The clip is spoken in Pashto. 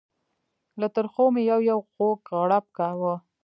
له ترخو مې یو یو خوږ غړپ کاوه.